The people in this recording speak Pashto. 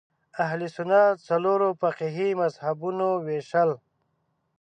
اهل سنت څلورو فقهي مذهبونو وېشل